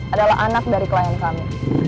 adalah anak dari klien kami